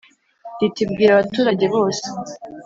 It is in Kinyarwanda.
riti bwira abaturage bose